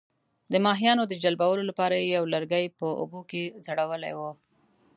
د ماهیانو د جلبولو لپاره یې یو لرګی په اوبو کې ځړولی وو.